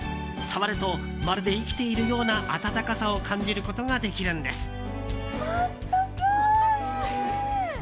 触ると、まるで生きているような温かさを感じることができるんです。